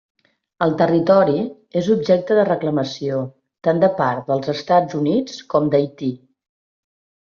El territori és objecte de reclamació tant de part dels Estats Units com d'Haití.